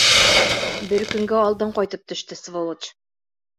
Бер көнгә алдан ҡайтып төштө, сволочь.